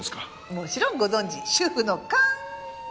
もちろんご存じ主婦の勘！